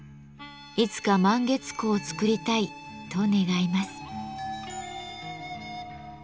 「いつか満月壺を作りたい」と願います。